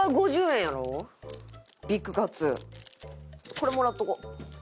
これもらっておこう。